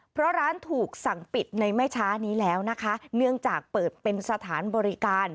เพราะร้านถูกสั่งปิดในไม่ช้านี้แล้วนะคะเนื่องจากเปิดเป็นสถานบริการ